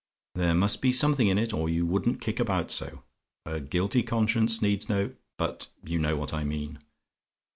There must be something in it, or you wouldn't kick about so. A guilty conscience needs no but you know what I mean.